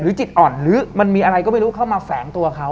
จิตอ่อนหรือมันมีอะไรก็ไม่รู้เข้ามาแฝงตัวเขา